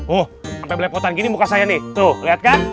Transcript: uh sampai belepotan gini muka saya nih tuh lihat kan